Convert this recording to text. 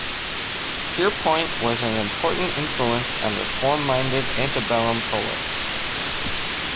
Pierpont was an important influence on reform-minded antebellum poets.